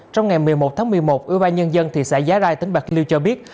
trong ngày một mươi một tháng một mươi một ubnd thị xã giá rai tỉnh bạc liêu cho biết